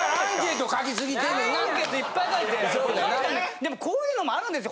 でもこういうのもあるんですよ